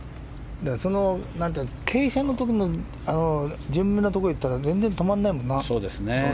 傾斜のところの順目のところいったら全然止まらないもんな。